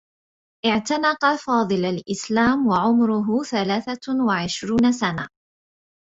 اعتنق فاضل الإسلام و عمره ثلاثة و عشرون سنة.